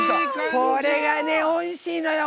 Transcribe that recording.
これがおいしいのよ。